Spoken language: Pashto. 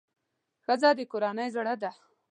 ښځه د کورنۍ زړه ده.